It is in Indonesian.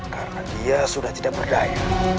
karena dia sudah tidak berdaya